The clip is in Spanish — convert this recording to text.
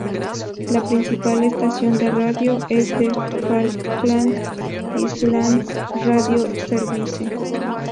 La principal estación de radio es la "Falkland Islands Radio Service".